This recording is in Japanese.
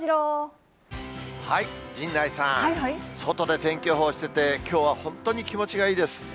陣内さん、外で天気予報してて、きょうは本当に気持ちがいいです。